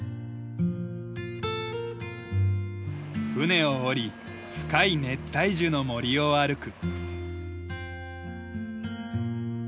船を降り深い熱帯樹の森を歩く。